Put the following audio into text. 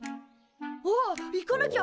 あっ行かなきゃ！